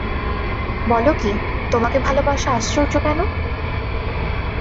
বল কী, তোমাকে ভালোবাসা আশ্চর্য কেন?